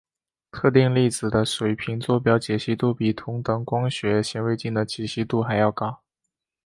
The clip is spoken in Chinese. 特定粒子的水平座标解析度比同等光学显微镜的解析度还要高。